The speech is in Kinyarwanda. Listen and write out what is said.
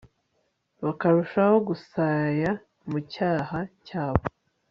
bakarushaho gusaya mu cyaha cyabo